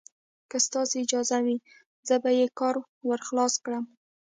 که ستاسې اجازه وي، زه به یې کار ور خلاص کړم.